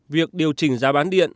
việc điều chỉnh giá bán điện